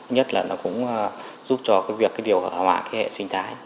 nhất là nó cũng giúp cho việc điều hòa hỏa hệ sinh thái